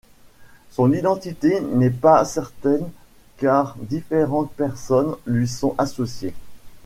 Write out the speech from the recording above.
Son identité n'est pas certaine car différentes personnes lui sont associées.